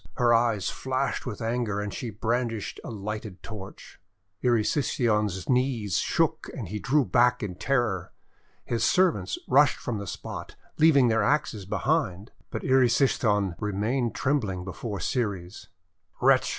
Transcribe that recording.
Her eyes flashed with anger, and she brandished a lighted torch. Erysichthon's knees shook and he drew back in terror. His servants rushed from the spot, leaving their axes behind. But Erysichthon remained trembling before Ceres. 'Wretch!'